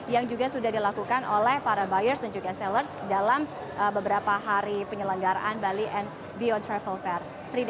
yang juga sudah dilakukan oleh para buyers dan juga sellers dalam beberapa hari penyelenggaraan bali and beyond travel fair